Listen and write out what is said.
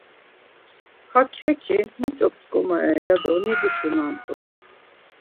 Ha keǩi muç̌o p̌ç̌ǩomare ya do niduşunamt̆u.